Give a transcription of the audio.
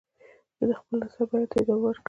چې د خپل نظر بیان ته ادامه ورکړي.